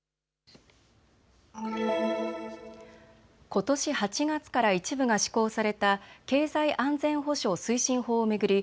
ことし８月から一部が施行された経済安全保障推進法を巡り